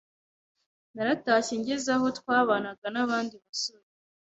naratashye ngeze aho twabanaga n’abandi basore